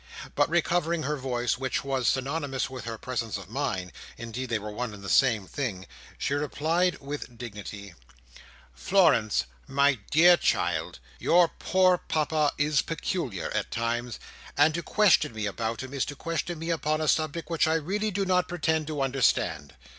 But recovering her voice—which was synonymous with her presence of mind, indeed they were one and the same thing—she replied with dignity: "Florence, my dear child, your poor Papa is peculiar at times; and to question me about him, is to question me upon a subject which I really do not pretend to understand.